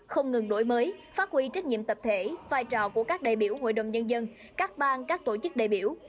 không ngừng đổi mới phát huy trách nhiệm tập thể vai trò của các đại biểu hội đồng nhân dân các bang các tổ chức đại biểu